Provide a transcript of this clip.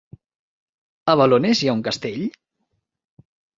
A Balones hi ha un castell?